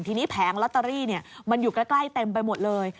ทีนี้แผงลอตเตอรี่มันอยู่ใกล้เต็มไปหมดเลย